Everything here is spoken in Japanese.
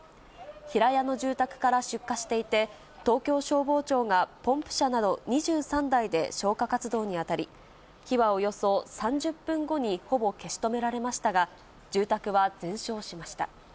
平屋の住宅から出火していて、東京消防庁が、ポンプ車など２３台で消火活動に当たり、火はおよそ３０分後にほぼ消し止められましたが、住宅は全焼しました。